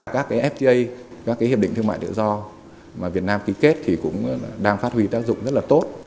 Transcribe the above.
các cái fta các cái hiệp định thương mại tự do mà việt nam ký kết thì cũng đang phát huy tác dụng rất là tốt